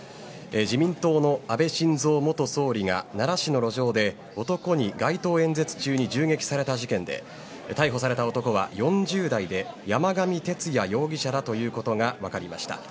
自民党の安倍晋三元総理が奈良市の路上で男に街頭演説中に銃撃された事件で逮捕された男は４０代で山上徹也容疑者だということが分かりました。